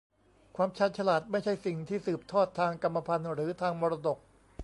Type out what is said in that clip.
ความชาญฉลาดไม่ใช่สิ่งที่สืบทอดทางกรรมพันธุ์หรือทางมรดก